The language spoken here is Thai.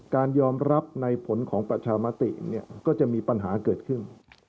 การยอมรับในผลของประชามติก็จะมีปัญหาเกิดขึ้น